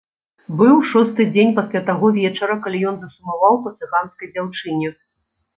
Быў шосты дзень пасля таго вечара, калі ён засумаваў па цыганскай дзяўчыне.